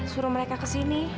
suruh mereka kesini